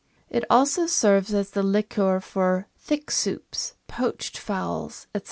It also serves as the liquor for thick soups, poached fowls, &c.